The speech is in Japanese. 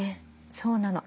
そうなの。